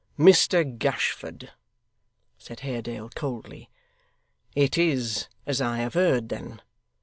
'Mr Gashford!' said Haredale, coldly. 'It is as I have heard then.